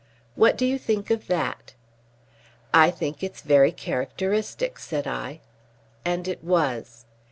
What do you think of that?" "I think it's very characteristic," said I. And it was.